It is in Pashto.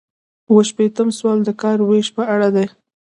اووه شپیتم سوال د کار ویش په اړه دی.